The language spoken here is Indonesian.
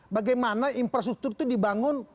bagaimana infrastruktur itu dibangun